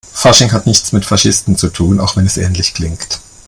Fasching hat nichts mit Faschisten zu tun, auch wenn es ähnlich klingt.